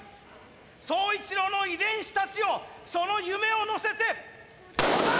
宗一郎の遺伝子たちよその夢を乗せて。